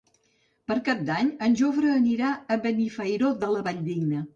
Per Cap d'Any en Jofre anirà a Benifairó de la Valldigna.